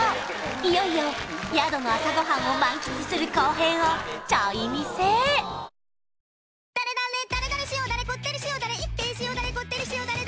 いよいよ宿の朝ごはんを満喫する後編をちょい見せ一平ちゃーん！